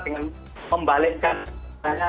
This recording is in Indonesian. dengan membalikkan bendera nya